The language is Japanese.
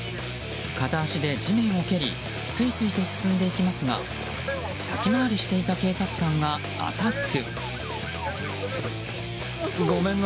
片足で地面を蹴りすいすいと進んでいきますが先回りしていた警察官がアタック。